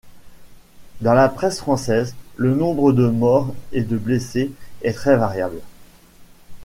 Dans la presse française, le nombre de morts et de blessés est très variable.